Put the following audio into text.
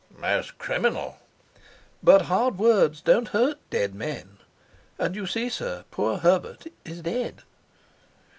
"Most criminal!" "But hard words don't hurt dead men; and you see, sir, poor Herbert is dead."